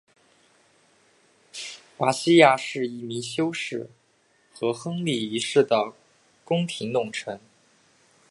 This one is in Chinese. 华西亚是一名修士和亨利一世的宫廷弄臣。